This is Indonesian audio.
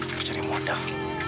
harus cari modal